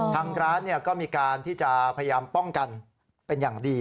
ทางร้านก็มีการที่จะพยายามป้องกันเป็นอย่างดี